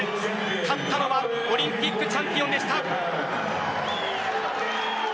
勝ったのはオリンピックチャンピオンでした。